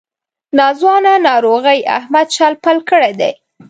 ناځوانه ناروغۍ احمد شل پل کړی دی.